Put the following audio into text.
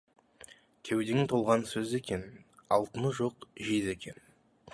Кеудең толған сөз екен, алтыны жоқ жез екен.